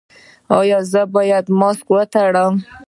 ایا زه باید ماسک وتړم؟